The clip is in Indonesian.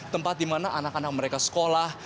tempat di mana anak anak mereka sekolah